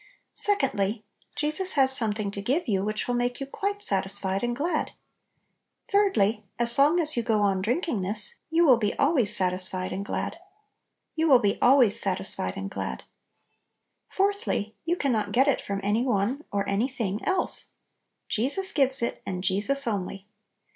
Secondly, Jesus has something to give you which will make you quite satisfied and glad. Thirdly, as long as you go on drinking this; you will be al ways satisfied and glad. Fourthly, you can not get it from any one or any thing else. Jesus gives it, and Jesus only.